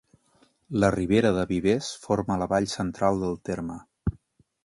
La Ribera de Vivers forma la vall central del terme.